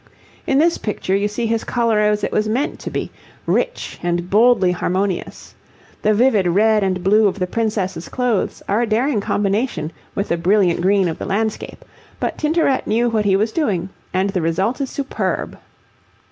In this picture you see his colour as it was meant to be, rich, and boldly harmonious. The vivid red and blue of the princess's clothes are a daring combination with the brilliant green of the landscape, but Tintoret knew what he was doing, and the result is superb.